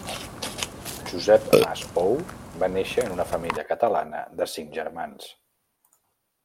Josep Mas Pou, va néixer en una família catalana de cinc germans.